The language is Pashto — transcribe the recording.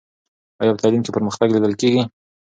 آیا په تعلیم کې پرمختګ لیدل کېږي؟